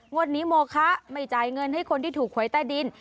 วันนี้โมคะไม่จ่ายเงินให้คนที่ถูกหวยใต้ดิน